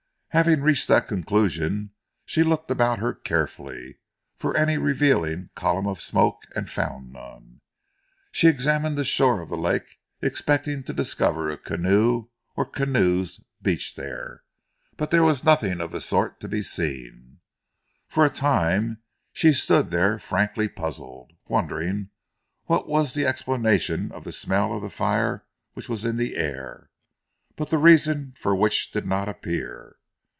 Having reached that conclusion, she looked about her carefully for any revealing column of smoke, and found none. She examined the shore of the lake expecting to discover a canoe or canoes beached there, but there was nothing of the sort to be seen. For a time she stood there frankly puzzled, wondering what was the explanation of the smell of fire which was in the air, but the reason for which did not appear.